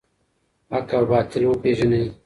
حق او باطل وپیژنئ.